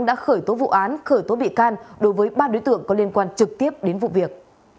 đã khởi tố vụ án khởi tố bị can đối với ba đối tượng có liên quan trực tiếp đến vụ việc